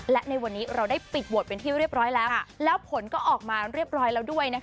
และในวันนี้เราได้ปิดโหวตเป็นที่เรียบร้อยแล้วแล้วผลก็ออกมาเรียบร้อยแล้วด้วยนะคะ